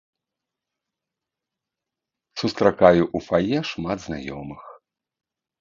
Сустракаю ў фае шмат знаёмых.